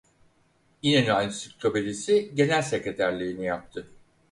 İnönü Ansiklopedisi Genel Sekreterliği'ni yaptı.